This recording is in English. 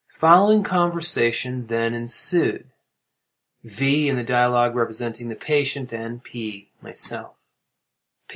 The following conversation then ensued:—V. in the dialogue representing the patient, and P. myself.